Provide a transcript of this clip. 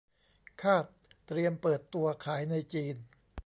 คาดเตรียมเปิดตัวขายในจีน